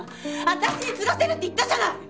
私に継がせるって言ったじゃない！